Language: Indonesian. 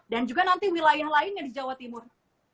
dan juga nanti wilayah lainnya di jawa timur